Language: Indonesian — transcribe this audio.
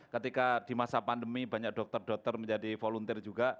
ketika di masa pandemi banyak dokter dokter menjadi volunteer juga